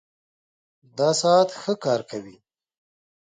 دا ساعت ښه کار کوي